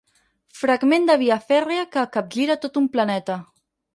Fragment de via fèrria que capgira tot un planeta.